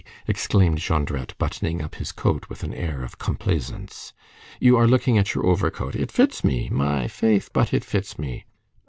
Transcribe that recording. exclaimed Jondrette, buttoning up his coat with an air of complaisance, "you are looking at your overcoat? It fits me! My faith, but it fits me!"